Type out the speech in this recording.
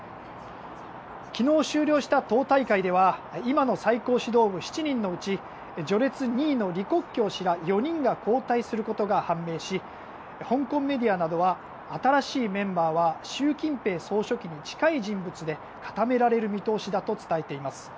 昨日終了した党大会では今の最高指導部７人のうち序列２位の李克強氏ら４人が交代することが判明し香港メディアなどは新しいメンバーは習近平総書記に近い人物で固められる見通しだと伝えています。